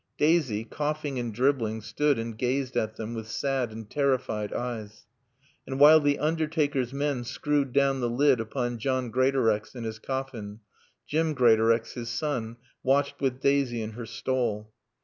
Daisy, coughing and dribbling, stood and gazed at them with sad and terrified eyes. And while the undertaker's men screwed down the lid upon John Greatorex in his coffin, Jim Greatorex, his son, watched with Daisy in her stall.